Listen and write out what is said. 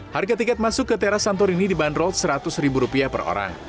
harga tiket masuk ke teras santorini dibanderol rp seratus per orang